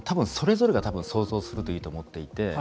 それぞれが、たぶん想像するといいと思っていて。